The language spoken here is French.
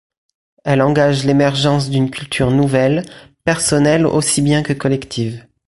Elle engage l'émergence d’une culture nouvelle, personnelle aussi bien que collective.